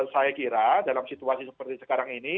saya kira dalam situasi seperti sekarang ini